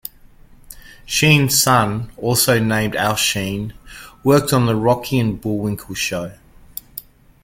Shean's son, also named Al Shean, worked on "The Rocky and Bullwinkle Show".